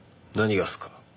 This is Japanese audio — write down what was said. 何がっすか？